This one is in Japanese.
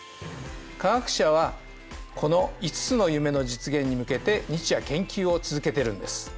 化学者はこの５つの夢の実現に向けて日夜研究を続けてるんです。